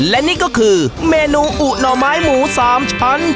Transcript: และนี่ก็คือเมนูอุหน่อไม้หมู๓ชั้น